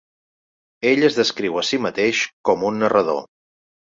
Ell es descriu a si mateix com un narrador.